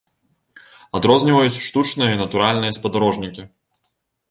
Адрозніваюць штучныя і натуральныя спадарожнікі.